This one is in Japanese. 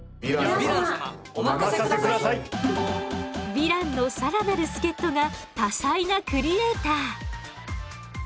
ヴィランの更なる助っとが多才なクリエーター。